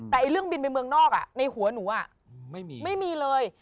แต่เรื่องบินไปเมืองนอกในหัวหนูไม่มีไม่มีเลย